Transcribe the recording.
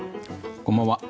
こんばんは。